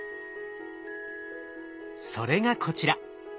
それがこちら。